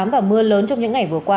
và mưa lớn trong những ngày vừa qua